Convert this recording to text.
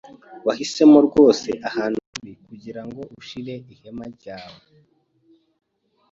Wahisemo rwose ahantu habi kugirango ushire ihema ryawe.